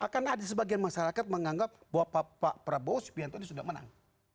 karena ada sebagian masyarakat menganggap bahwa pak prabowo subianto ini sudah menang